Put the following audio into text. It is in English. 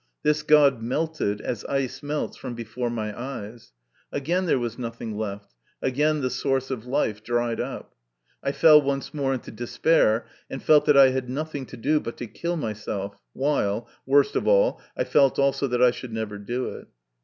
This God melted, as ice melts, from before my eyes ; again there was nothing left, again the source of life dried up. I fell once more into despair, and felt that I had nothing to do but to kill myself, while, worst of all, I felt also that I should never do it.